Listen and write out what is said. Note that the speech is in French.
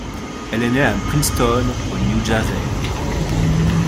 Elle est née à Princeton au New Jersey.